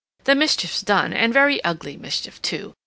"The mischief's done, and very ugly mischief too.